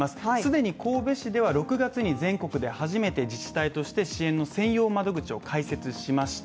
すでに神戸市では６月では全国で初めて自治体で支援の専用窓口を開設しました。